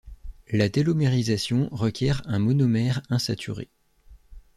La télomérisation requiert un monomère insaturé.